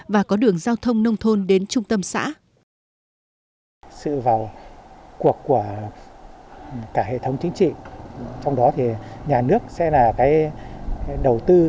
và có đường giao thông nông thôn đến trung tâm xã